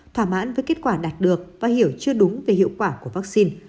thỏa mãn với kết quả đạt được và hiểu chưa đúng về hiệu quả của vaccine